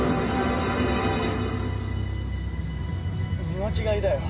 見間違いだよ。